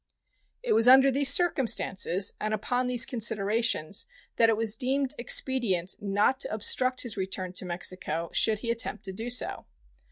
It was under these circumstances and upon these considerations that it was deemed expedient not to obstruct his return to Mexico should he attempt to do so.